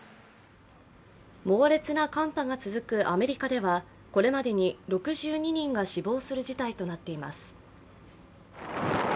猛烈な寒波が続くアメリカではこれまでに６２人が死亡する事態となっています。